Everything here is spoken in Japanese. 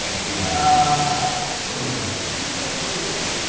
だからそれ言ったんだ俺